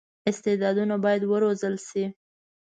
استعدادونه باید وروزل شي.